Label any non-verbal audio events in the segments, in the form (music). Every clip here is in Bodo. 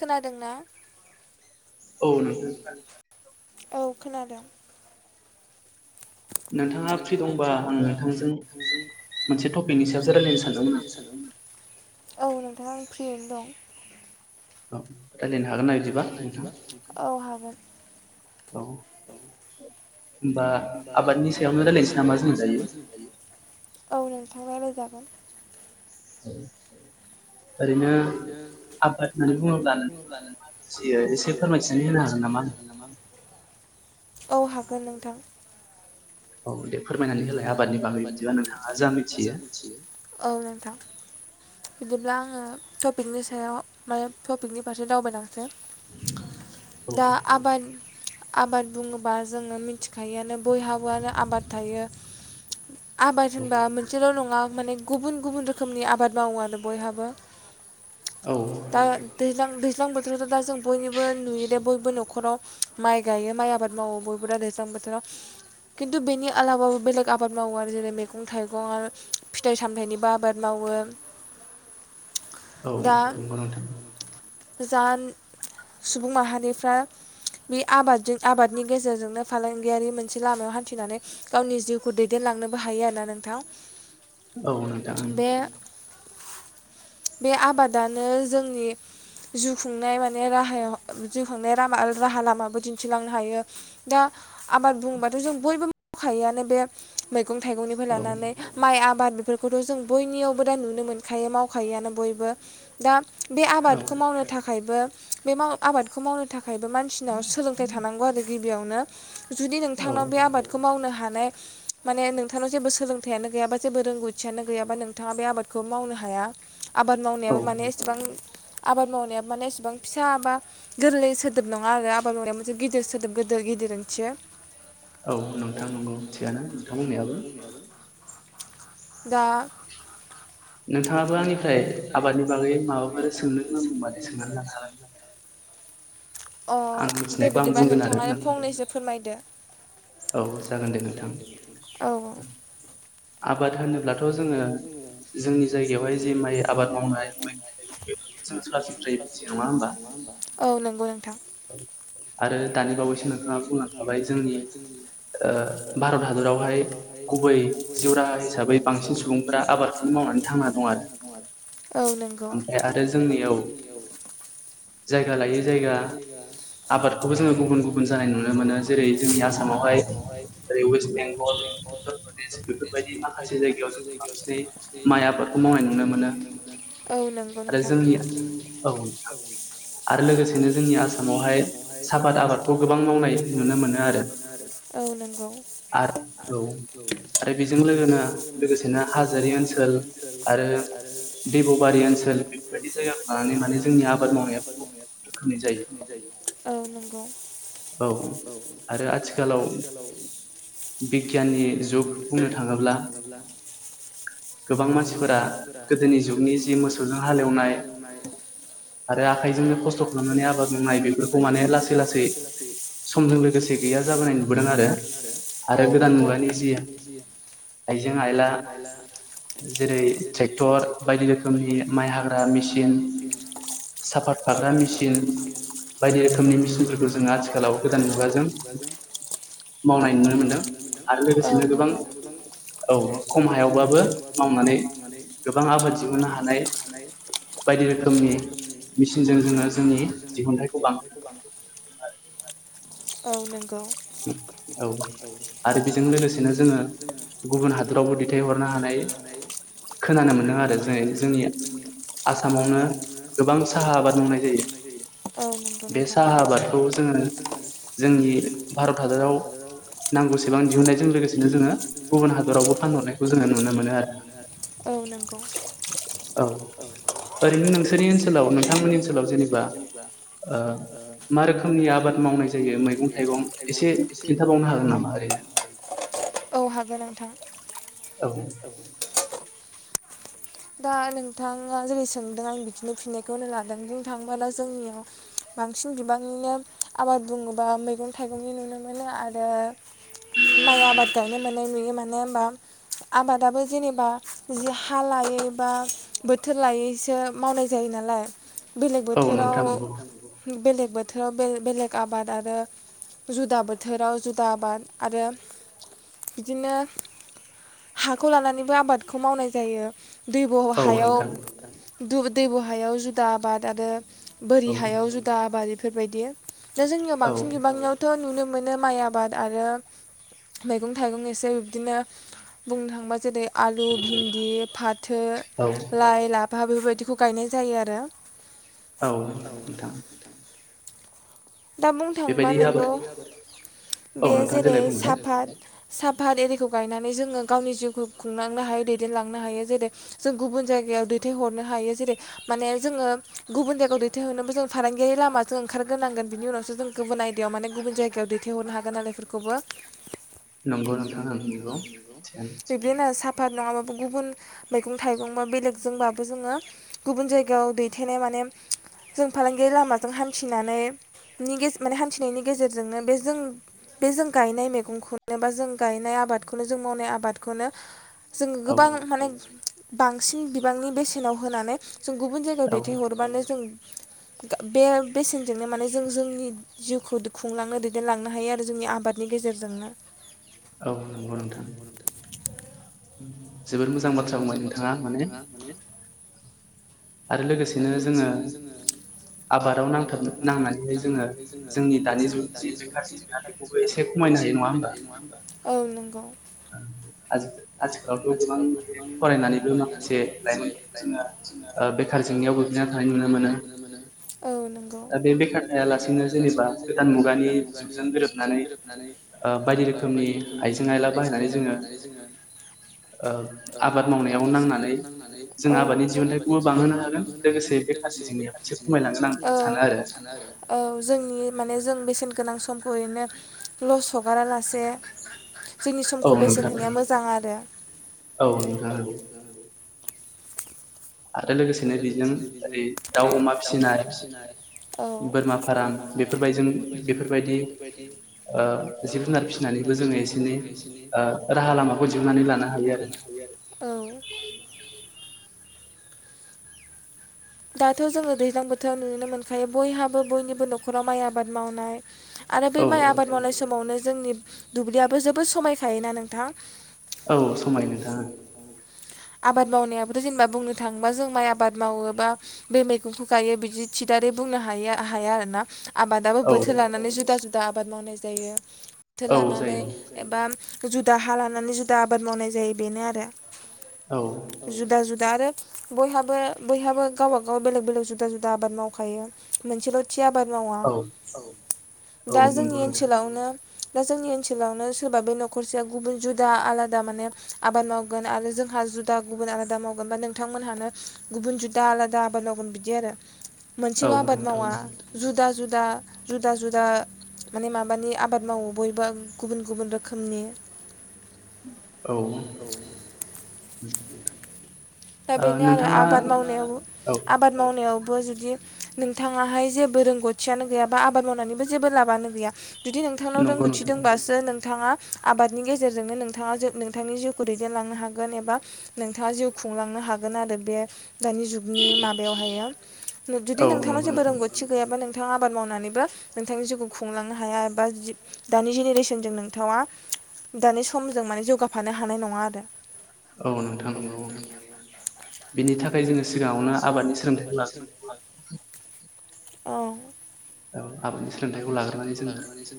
खोनादोंना? औ (unintelligible) औ खोनादों। नोंथाङा फ्रि दंबा आं नोंथजों मोनसे टपिकनि सायावसो रायलायनो सानदों। औ द आं फ्रियैनो दं। रायलायनो हागोन ना बिदिबा औ हागोन। औ। होनबा आबादनि सायावनो रायनोसै नामा जों दायो। औ नोंथाङा रायलाय जागोन। (inaudible) औ। ओरैनो आबाद होननानै बुङोब्लायो नोंथांआ मा बुजियो एसे फोरमायथिनानै होनो हागोन नामा? औ हागोन नोंथां दे फोरमायनानै होलाय आबादनि बागै बिदिब्ला नोंथाङा जा मिथियो। औ नोंथां। बिदिब्ला आङो टपिकनि सायाव माने टपिकनि फारसे दावबायलांसै। दा आबाद आबाद बुङोबा जोङो मिथिखायोआनो बयहाबोआनो आबाद थायो। आबाद होनबा मोनसेल' नङा माने गुबुन गुबुन रोखोमनि आबाद मावो आरो बयहाबो। दा दैज्लां दैज्लां दा जों बयनिबो नुयो दे बयबो न'खराव माइ गायो, माइ आबाद मावो बयबो दा दैज्लां बोथोराव खिन्थु बेनि बेलेग आबाद मावो आरो जेरै मैगं थाइगं आरो फिथाइ सामथाइनिबो आबाद मावो। औ नंगौ नोंथां। जा सुबुं माहारिफ्रा बे आबादजों आबादनि गेजेरजोंनो फालांगियारि मोनसे लामायाव हान्थिनानै गावनि जिउखौ दैदेनलांनोबो हायो आरोना नोंथां। औ नोंथांं। बे आबादानो जोंनि जिउ खुंनाय माने राहायाव जिउ खुंनाय राहा लामाबो दिन्थिलांनो हायो। दा आबाद बुबाथ' जों बयबो बे मै मैगं -थाइगंनिफ्राय लानानै माइ आबाद। बेफोरखौथ' जों बयनियावबो दा नुनो मोनखायो मावखायोआनो बयबो दा। बे आबादखौ मावनो थाखायबो बे आबादखौ मावनो थाखाय थाखायबो मानसिनाव सोलोंथाइ थानांगौ आरो। बेयावनो। जुदि नोंथांनाव बे आबाद मावनो हानाय माने नोंथांनाव जेबो सोलोंथाइयानो गैयाबा जेबो रोंगौथियानो गैयाबा नोंथाङा बे आबादखौ मावनो हाया। आबाद मावनायाबो माने एसेबां आबाद मावनाया माने एसेबां फिसाबा गोरलै सोदोब नङा आरो आबाद मावनाया मोनसे गिदिर सोदोब गोदोर गिदिर ओंथिसो। औ नोंथां नंगौ थिगानो नोंथां बुंनायाबो। दा नोंथाङाबो आंनिफ्राय आबादनि बागै माबाफोर सोंनो गोनां दंबा सोंनानै लानो हाबाय। अ दे बिदिबा नोंथाङानो फंनैसो फोरमायदो। औ औ। आबाद होनोब्लाथ' जोङो जोंनि जायगायावहाय जे माइ आबाद मावनाय मैगं थाइगं बेफोरखौ जों सरासनस्रायै मिथियो। नङा होमबा? आरो दानि बावैसो नोंथाङा बुंलांखाबाय जोंनि ओ भारत हादरावहाय गुबै औ नोंगौ। महाइ ओरै वेस्ट बेंगल, उत्तर प्रदेश औ नोंगौ नोंथां। औ नोंगौ। औ नोंगौ। आथिखालाव बिगियाननि जुग बुंनो थाङोब्ला गोबां मानसिफोरा गोदोनि जुगजि मोसौजों हालेवनाय आरो आखाइजोंनो खस्थ' खालामनानै आबाद मावनाय बेफोरखौ माने लासै लासै समजों लोगोसे गैया औ नोंगौ। आइजें आइला जेरै ट्रेक्टर बायदि रोखोमनि माइ हाग्रा मेचिन, साफात फाग्रा मेचिन बायदि रोखोमनि मेचिनफोरखौ जोंङो आथिखालाव गोदान मुगाजों मावनाय नुनो मोन्दों। आरो लोगोसेनो गोबां औ खम हायावबाबो मावनानै गोबां आबाद दिहुन्नो हानाय बायदि रोखोमनि मेचिनजों जोङो जोंनि दिहुन्थायखौ बांहोनो हा औ नों औ आरो बेजों लोगोसेनो जोङो गुबुन हादरावबो दैथायहरनो हानाय खोनानो मोनदों आरो जेरै जोंनि आसामावनो गोबां साहा आबाद मावनाय जायो। बे साहा आबादखौ जोङो जोंनि औ नोगौ। थाइगं औ हागोन नोंथां। दा नोंथाङा जेरै सोंदों आं बिदिनो फिननायखौनो होनो लादों। बुंनो थाङोबा दा जोंनियाव बांसिन बिबांनिनो आबाद बुङोबा मैगं थाइगंनि नुनो मोनो आरो माइ आबाद गायनो मोननाय नुयो। मानो होनबा आबादाबो जेनेबा जि हा लायो बा बोथोर लायैसो मावनाय जायो नालाय। बेलेग बोथोराव बेलेग बोथोराव बेल बेलेग आबाद आरो जुदा बोथोराव जुदा आबाद आरो बिदिनो हाखौ लानानैबो आबादखौ मावनाय जायो दैब' हायाव दु दैब' हायाव जुदा आबाद आरो बोरि हायाव जुदा आबाद बेफोरबायदि दा जोंनियाव बांसिन बिबांनियावथ' नुनो मोनो मोनो माइ आबाद आरो मैगं थाइगं एसे बिदिनो बुंनो थाङोबा जेरै आलु भिन फाथो लाइ लाफा फा बेफोरबायदिखौ गायनाय जायो आरो औ दे नोंथां दा बुंनो थाङोबा नोंगौ बेयो जेरै साफात साफात एरिखौ गायनानै जोङो गावनि जिउखौ खुंलांनो हायो दैदेनलांनो हायो जेरै जों गुबुन जायगायाव दैथायहरनो हायो जेरै माने जोङो गुबुन जायगायाव दैथायहरनोबो जों फालांगियारि लामाजों ओंखारग्रोनांगोन बिनि उनावसो जों गुबुन आयदायाव माने गुबुन जायगायाव दैथायहरनो हागोन नालाय बेफोरखौबो बिबदिनो सा फाद नङाबाबो गुबुन मैगं थाइगं बेलेग जोंबाबो जोङो गुबुन जायगायाव दैथायनाय माने जों फालांगि लामाजों हान्थिनानै नि माने हान्थिनायनि गेजेरजोंनो बे जों बे जों गायनाय मैगंखौनो बा जों गायनाय आबादखौनो जों मावनाय आबादखौनो जोङो गोबां माने बांसिन बिबांनि बेसेनाव होनानै जों गुबुन जायगायाव दैथायहरबानो जों बे बेसेनजोंनो माने जों जोंनि जिउखौ खुंलांनो दैदेनलांनो हायो आरो जोंनि आबादनि गेजेरजोंनो औ नंगौ नोंथां (inaudible) जोबोर मोजां बाथ्रा बुंबाय नोंथाङा माने आरो लोगोसेनो जोङो आबादाव नांग नांनानैह जोङो जोंनि दानि जुफोरखौ एसे खमायनो हायो नङा होनबा औ नंगौ आजि आथिखालावथ' गोबां माने फरायनानैबो माखासे लाइमोनफोरखौ जोङो ओ बे ओ बेखार जेंनायाव गोग्लैना थानाय नुनो मोनो औ नंगौ दा बे बेखार थायालासेनो जेनेबा गोदान मुगानि जुगजों गोरोबनानै ओ बायदि रोखोमनि आइजें आयला बाहायनानै जोङो ओ आबाद मावनायाव नांनानै औ जों आबादनि दिहुन औ औ जोंनि माने जों बेसेन गोनां समखौ ओरैनो लस हगारा लासे जोंनि समखौ बेसेन होनाया मोजां आरो औ नोंथां नोंगौ आरो लोगोसेनो बेजों दाउ अमा फिसिनाय औ बोरमा फार्म बेफोरबायदि, बेफोरबायदि ओ जिब जुनार फिसिनानैबो जोङो एसे एनिै ओ राहा लामाखौ दिहनानै लानो हायो आरो औ। दाथ' जोङो दैज्लां बोथोराव नुनो मोनखायो बयहाबो बयनिबो न'खराव माइ आबाद मावनाय आरो बे माइ आबाद मावनाय समावनो जोंनि दुब्लियाबो जोबोद समायखायोना नोंथां। औ समाय नोंथां आबाद मावनायाबोथ' जेनेबा बुंनो थाङोबा जों माइ आबाद मावोबा बे मैगंखौ गायो बिदि थिदारि बुंनो हायो हाया आरो ना। आबादाबो बोथोर लानानै जुदा जुदा दा आबाद मावनाय जायो। बोथोर लानानै एबा जुदा हा लानानै जुदा आबाद मावनाय जायो बेनो आरो। जुदा जुदा दा आरो बयहाबो बयहाबो गावबागाव बेलेग बेलेग जुदा जुदा आबाद मावखायो मोनसेल'। खाथि आबाद मावा दा जोंनि ओनसोलावनो दा जोंनि ओनसोलावनो सोरबा बे न'खरसेया गुबुन जुदा आलादा माने आबाद मावगोन आरो जोंहा जुदा गुबुन आलादा मावगोन बा नोंथांमोनहानो गुबुन जुदा। दा आलादा आबाद मावगोन बिदि आरो। मोनसेल' आबाद मावा जुदा जुदा जा जुदा जुदा माने माबानि आबाद मावो बयबो गुबुन गुबुन रोखोमनि औ। दा बेनो आरो आबाद मावनायाव आबाद मावनायाव। जुदि नोंथाङाहाय जेबो रोंगौथियानो गैया बा आबाद मावनानैबो जेबो लाबानो गैया। जुदि नोंथांनाव रोंगौथिदोंबासो नोंथाङा। आबादनि गेजेरजोंनो नोंथाङा नोंथांनि जिउखौ दैदेनलांनो हागोन, एबा नोंथाङा जिउखौ खुंलांनो हागोन आरो बे दानि जुगनि माबायावहायो जुदि नोंथांनाव जेबो रोंगौथि गैयाबा नोंथ नोंथाङा आबाद मावनानैबो नोंथांनि जिउखौ खुंलांनो हाया, एबा दानि जेनेरेसनजों नोंथाङा दानि समजों माने जौगाफानो हानाय नङा आरो। औ नोंथां नंगौ। बिनि थाखाय जोङो सिगाङावनो आबादनि सोलोंथायाइखौ लाग्रोन औ (inaudible) आबादनि सोलोंथाइखौ लाग्रोनानै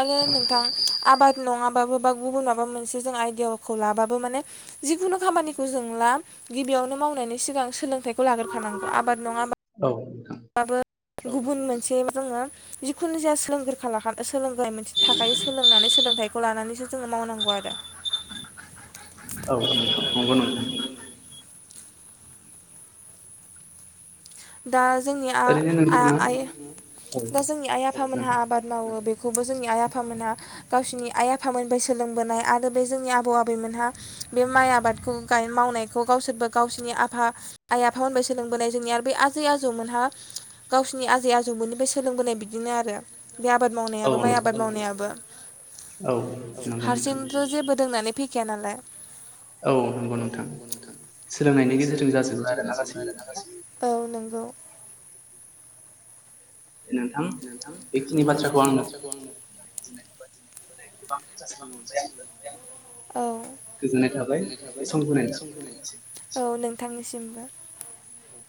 आरो नोंथां आबाद नांगाबाबो बा गुबुन माबा मोनसे आयदियाखौ लाबाबो माने, जिखुनु खामानिखौ जों ला गिबियावनो मावनायनि सिगां जों सोलों। खौ लागोरखानांगौ आबाद नङाबा ब्लाबो गुबुन मोनसे जोङो जिखुनु जाया सोलोंग्रोखा लाखानो सोलोंनाइ मोनसे थाखायो सोलोंनानै सोलोंथाइ खौ लानानैसो जोङो मावनांगौ आरो औ नोंथां नंगौ नोंथां। दा जोंनि आ-आ आइ दा जोंनि आइ आफामोनहा आबाद मावो बे बेखौबो जोंनि आइ आफामोनहा गावसिनि आइ आफामोननिफाय सोलोंबोनाय आरो बे जोंनि आबौ आबैमोनहा बे माइ आबादखौ गाय मावनायखौ गावसोरबो गावसिनि आफा आइ आफामोननिफाय सोलोंबोनाय जोंनि आरो बे आजै आजौमोनहा गावसिनि आजै आजौमोननिफ्राय सोलोंबोनाय बिदिनो आरो बे आबाद मावनायाबो माइ आबाद मावनायाबो। हारसिंथ' जेबो रोंनानै फै गेना (unintelligible) लाय औ नंगौ नोंथां सोलोंनायनि गेजेरजों जाजोबनाय आरो जागासिनो औ नों अ (unintelligible) नोंथां बे खिनि बाथ्राखौ आं गोबां जासिननाय नुबाय आंङो औ गोजोननाय थाबाय बे समखौ होनायनि थाखाय औ नों थांनिसिमबो औ